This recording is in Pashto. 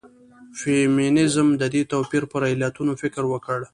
فيمنيزم د دې توپير پر علتونو فکر وکړ.